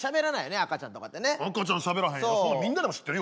赤ちゃんしゃべらへんよ。